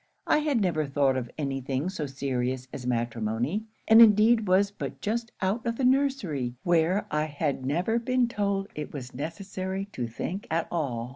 I had never thought of any thing so serious as matrimony; and indeed was but just out of the nursery, where I had never been told it was necessary to think at all.